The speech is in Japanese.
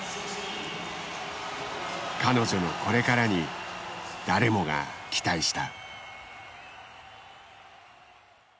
彼女のこれからに誰もが期待した。